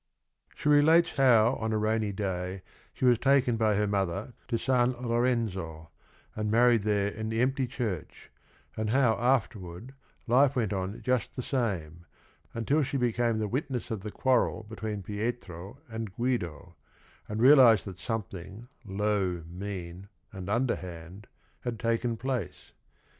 POMPILIA 111 She relates how on a rainy day she was taken by her mother to San Lorenzo, and married there in the empty church, and how afterward life went on just the same, until she became the witness of the quarrel between Pietro and Guido, and realized that something "low, mean and underhand," had taken place.